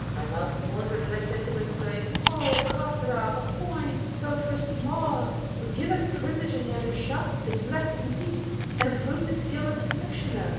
My mouth watered, and I said to my slave, 'O Kadrab, a coin, though 'twere small, would give us privilege in yonder shop to select, and feast, and approve the skill of the confectioner.'